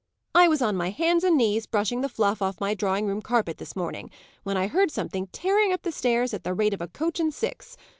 "I was on my hands and knees, brushing the fluff off my drawing room carpet this morning, when I heard something tearing up the stairs at the rate of a coach and six.